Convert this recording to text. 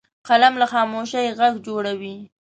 قلم له خاموشۍ غږ جوړوي